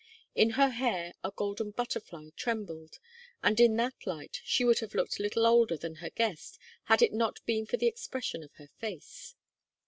In her hair a golden butterfly trembled, and in that light she would have looked little older than her guest had it not been for the expression of her face.